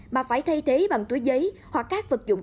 mà phải thay thế bằng túi giấy hoặc các vật dụng